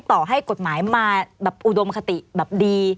ต่อให้กฎหมายมาแบบอุดมคติแบบดี